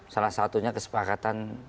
salah satunya kesepakatan